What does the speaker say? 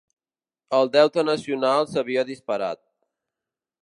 El deute nacional s'havia disparat.